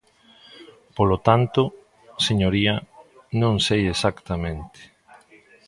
Polo tanto, señoría, non sei exactamente.